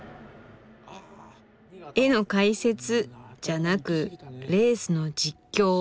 絵の解説じゃなくレースの実況。